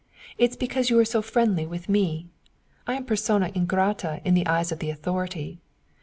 It is because you are so friendly with me. I am a persona ingrata in the eyes of the authorities.